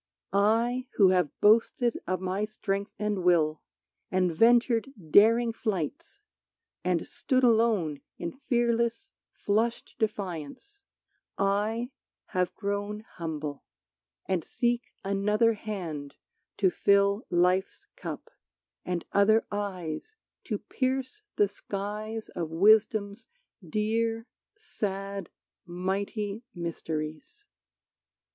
I, who have boasted of my strength and will, And ventured daring flights, and stood alone In fearless, flushed defiance, I have grown Humble, and seek another hand to fill Life's cup, and other eyes to pierce the skies Of Wisdom's dear, sad, mighty mysteries.